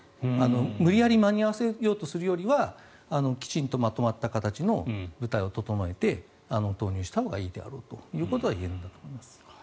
無理やり間に合わせようとするよりはきちんとまとまった形の部隊を整えて投入したほうがいいであろうということは言えるんだと思います。